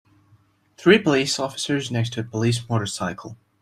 Three police officers next to a police motorcycle